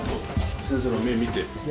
先生の目見て。